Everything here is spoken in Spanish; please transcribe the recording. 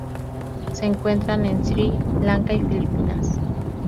Se encuentran en Sri Lanka y Filipinas.